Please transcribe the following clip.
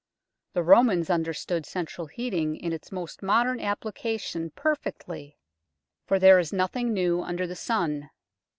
The Romans understood central heating in its most modern application perfectly for there is nothing new under the sun.